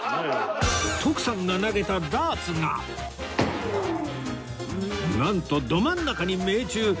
徳さんが投げたダーツがなんとど真ん中に命中